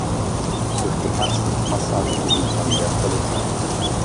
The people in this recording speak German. Durch die Herzdruckmassage gewinnt man wertvolle Zeit.